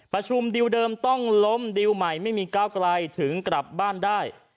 ประชุมดิวเดิมต้องล้มดิวใหม่ไม่มีก้าวไกลถึงกลับบ้านได้